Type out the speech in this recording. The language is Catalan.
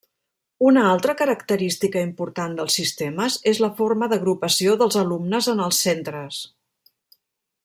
Una altra característica important dels sistemes és la forma d'agrupació dels alumnes en els centres.